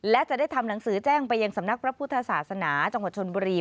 และจะได้ทำหนังสือแจ้งไปยังสำนักพระพุทธศาสนาจังหวัดชนบุรี